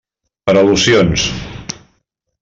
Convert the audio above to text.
Per al·lusions.